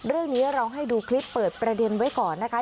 เรื่องนี้เราให้ดูคลิปเปิดประเด็นไว้ก่อนนะคะ